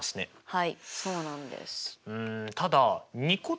はい。